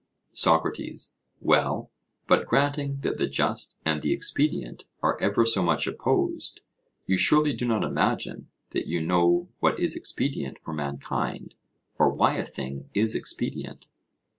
SOCRATES: Well, but granting that the just and the expedient are ever so much opposed, you surely do not imagine that you know what is expedient for mankind, or why a thing is expedient?